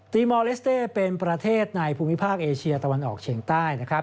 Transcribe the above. มอลเลสเต้เป็นประเทศในภูมิภาคเอเชียตะวันออกเฉียงใต้นะครับ